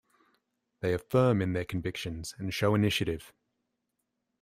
They are firm in their convictions, and show initiative.